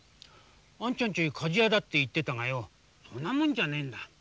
あんちゃんちかじ屋だって言ってたがよそんなもんじゃねえんだ。